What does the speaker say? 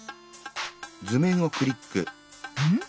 うん？